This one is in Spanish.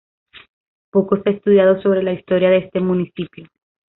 Poco se ha estudiado sobre la historia de este municipio.